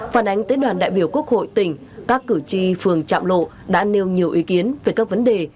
phản ánh tới đoàn đại biểu quốc hội tỉnh các cử tri phường trạm lộ đã nêu nhiều ý kiến về các vấn đề